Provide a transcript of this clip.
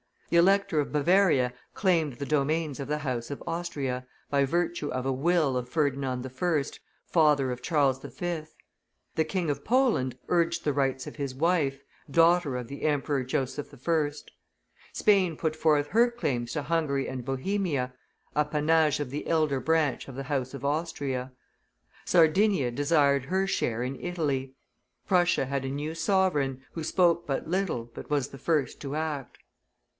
The Elector of Bavaria claimed the domains of the house of Austria, by virtue of a will of Ferdinand I., father of Charles V. The King of Poland urged the rights of his wife, daughter of the Emperor Joseph I. Spain put forth her claims to Hungary and Bohemia, appanage of the elder branch of the house of Austria. Sardinia desired her share in Italy. Prussia had a new sovereign, who spoke but little, but was the first to act.